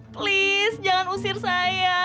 please jangan usir saya